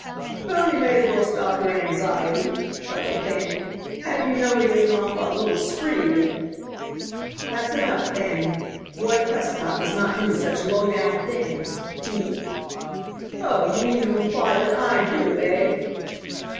"Well, you may as well stop your anxiety," chuckled Fanning; "how do you know he isn't off on a little spree, and " "That's enough, Fanning. Roy Prescott does not do such low down things. He " "Oh, you mean to imply that I do, eh?"